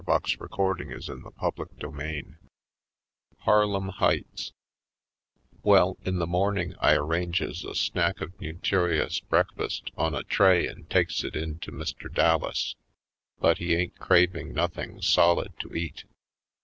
Harlem Heights 61 CHAPTER IV Harlem Heights WELL, in the morning I arranges a snack of nuturious breakfast on a tray and takes it in to Mr. Dallas. But he ain't craving nothing solid to eat.